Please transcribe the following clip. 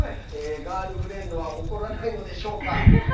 ガールフレンドは怒らないのでしょうか。